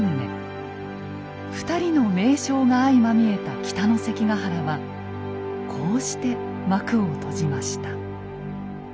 ２人の名将が相まみえた北の関ヶ原はこうして幕を閉じました。